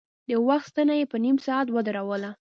د وخت ستنه يې په نيم ساعت ودروله.